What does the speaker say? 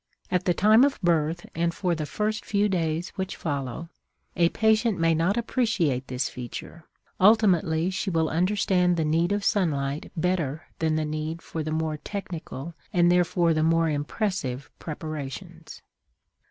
At the time of birth and for the first few days which follow, a patient may not appreciate this feature; ultimately she will understand the need of sunlight better than the need for the more technical, and therefore the more impressive, preparations.